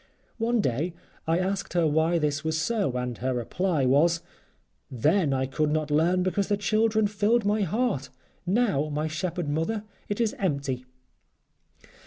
One day I asked her why this was so, and her reply was: "Then I could not learn because the children filled my heart, now, my Shepherd Mother, it is empty!"